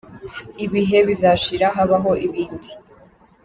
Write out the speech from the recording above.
ibihe bizashira habaho ibindi.